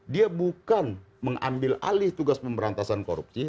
dia bukan mengambil alih tugas pemberantasan korupsi